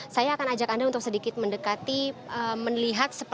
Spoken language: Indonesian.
saya akan ajak anda untuk sedikit mendekati melihat